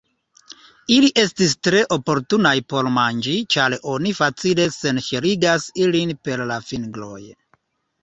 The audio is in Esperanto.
Ili estis tre oportunaj por manĝi, ĉar oni facile senŝeligas ilin per la fingroj.